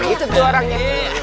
itu itu orangnya